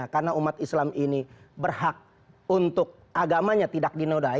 karena umat islam ini berhak untuk agamanya tidak dinodai